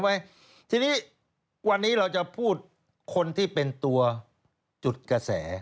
ไว้ทีนี้วันนี้เราจะพูดคนที่เป็นตัวจุดกระแส